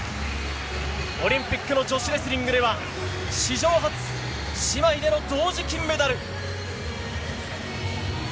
オリンピックの女子レスリングでは、史上初、姉妹での同時金メダル。